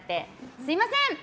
すみません！